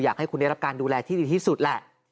อยากให้คุณได้รับการดูแลที่ดีที่สุดแหละ